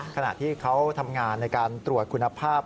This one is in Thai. ขณะที่เขาทำงานในการตรวจคุณภาพ